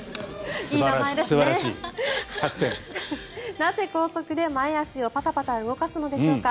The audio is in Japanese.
なぜ高速で前足をパタパタさせるのでしょうか。